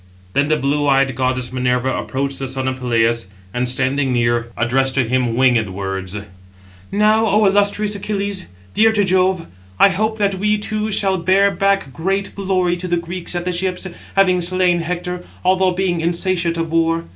Then the blue eyed goddess Minerva approached the son of Peleus, and, standing near, addressed to him winged words: "Now, O illustrious Achilles, dear to Jove, I hope that we two shall bear back great glory to the Greeks at the ships, having slain Hector, although being insatiate of war.